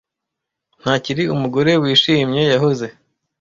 Ntakiri umugore wishimye yahoze.